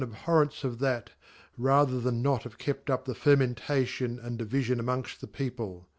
abhorrence of that, father than not t.\ive kept up the Fermentation and Drvifiou JmongFf the people.